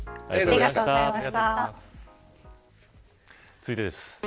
続いてです。